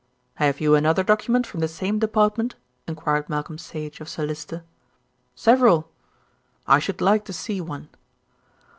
'" "Have you another document from the same Department?" enquired Malcolm Sage of Sir Lyster. "Several." "I should like to see one."